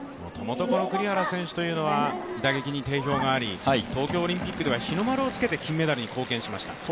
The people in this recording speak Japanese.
栗原選手というのは打撃に定評があり東京オリンピックでは日の丸をつけて金メダルに貢献しました。